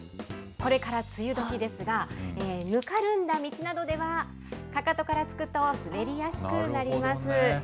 これから梅雨時ですが、ぬかるんだ道などでは、かかとからつくと滑りやすくなります。